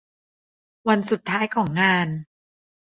วันสุดท้ายของงาน